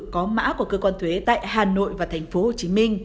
có mã của cơ quan thuế tại hà nội và tp hcm